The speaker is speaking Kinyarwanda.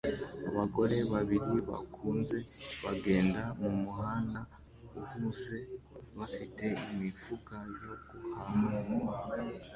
abagore babiri bakuze bagenda mumuhanda uhuze bafite imifuka yo guhaha